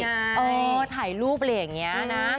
มาถ่ายรูปเลยอย่างนี้นะคะ